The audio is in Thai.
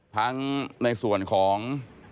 ทั้งในส่วนของ